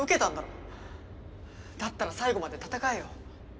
だったら最後まで戦えよ。